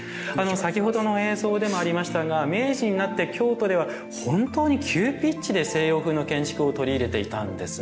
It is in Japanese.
先ほどの映像でもありましたが明治になって京都では本当に急ピッチで西洋風の建築を取り入れていたんですね。